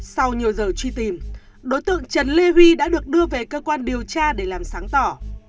sau nhiều giờ truy tìm đối tượng trần lê huy đã được đưa về cơ quan điều tra để làm sáng tỏ